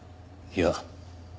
いや。